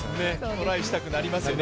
トライしたくなりますよね